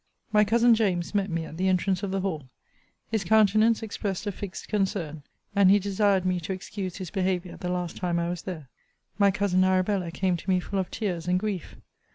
My cousin James met me at the entrance of the hall. His countenance expressed a fixed concern; and he desired me to excuse his behaviour the last time I was there. My cousin Arabella came to me full of tears and grief.